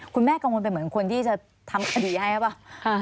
คุณแม่กังวลไปเหมือนคนที่จะทำคดีให้หรือเปล่า